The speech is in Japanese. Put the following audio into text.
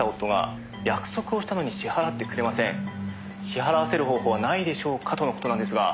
「支払わせる方法はないでしょうかとの事なんですが」